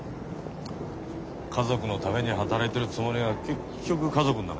家族のために働いてるつもりが結局家族の中に居場所がない。